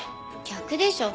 逆でしょ。